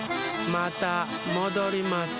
またもどります。